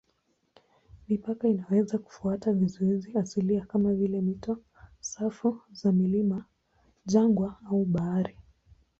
Mipaka inaweza kufuata vizuizi asilia kama vile mito, safu za milima, jangwa au bahari.